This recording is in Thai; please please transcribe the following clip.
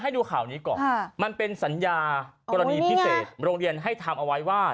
ดูข่าวนี้ก่อนมันเป็นสัญญากรณีพิเศษโรงเรียนให้ทำเอาไว้ว่า